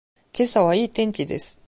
けさはいい天気です。